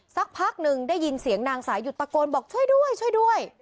สักพักหนึ่งได้ยินเสียงนางสายุดตะโกนบอกช่วยด้วยช่วยด้วย